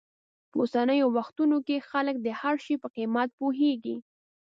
په اوسنیو وختونو کې خلک د هر شي په قیمت پوهېږي.